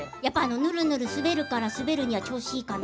ぬるぬる滑るから滑るように調子いいかな。